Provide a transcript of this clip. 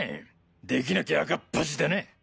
できなきゃ赤っ恥だな。